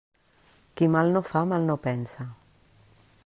Qui mal no fa, mal no pensa.